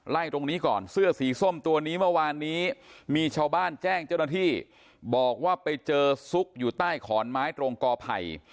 ตรงนี้ก่อนเสื้อสีส้มตัวนี้เมื่อวานนี้มีชาวบ้านแจ้งเจ้าหน้าที่บอกว่าไปเจอซุกอยู่ใต้ขอนไม้ตรงกอไผ่